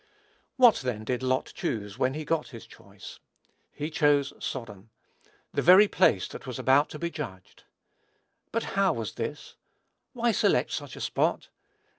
What, then, did Lot choose when he got his choice. He chose Sodom. The very place that was about to be judged. But how was this? Why select such a spot?